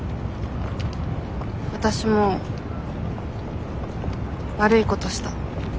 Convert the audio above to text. わたしも悪いことした。